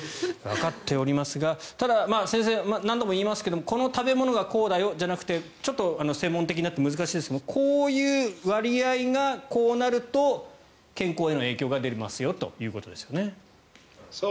わかっておりますがただ、先生何度も言いますけどこの食べ物がこうだよじゃなくて専門的になって難しいですがこういう割合がこうなると健康への影響が出ますよということですね。